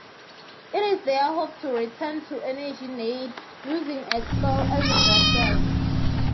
It is their hope to return to Energy Nede using Expel as a vessel.